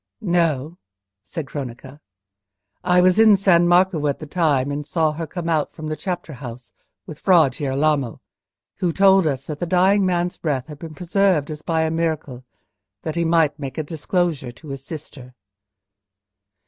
"No," said Cronaca; "I was in San Marco at the time, and saw her come out from the chapter house with Fra Girolamo, who told us that the dying man's breath had been preserved as by a miracle, that he might make a disclosure to his sister."